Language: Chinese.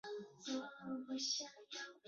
佩德雷拉斯是巴西马拉尼昂州的一个市镇。